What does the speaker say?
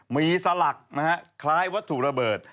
มีดับไกลมีสลักคล้ายวัตถุระเบิด